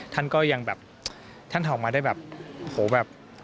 ท่านก็ยังแบบท่านออกมาได้แบบโหแบบ